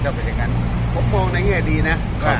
ถ้าไปจากนั้นผมมองในแง่ดีนะ